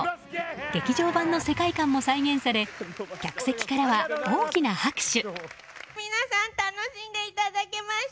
劇場版の世界観も再現され客席からは大きな拍手。